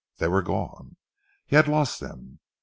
They were gone. He had lost them.